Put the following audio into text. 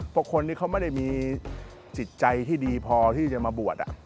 เพราะคนที่เขาไม่ได้มีจิตใจที่ดีพอที่จะมาบวช